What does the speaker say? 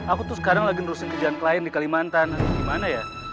aku tuh sekarang lagi nerusin kerjaan klien di kalimantan atau gimana ya